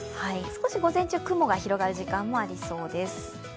少し午前中、雲が広がる時間もありそうです。